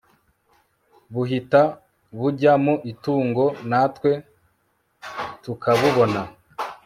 buhita bujya mu itungo natwe tukabubona